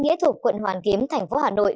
nghĩa thuộc quận hoàn kiếm thành phố hà nội